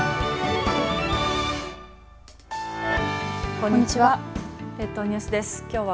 こんにちは。